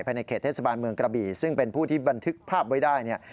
ในเขตเทศบาลเมืองกระบี่ซึ่งเป็นผู้ที่บันทึกภาพไว้ได้เนี่ย